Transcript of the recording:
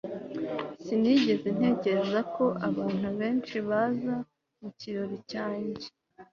sinigeze ntekereza ko abantu benshi baza mu kirori cyanjye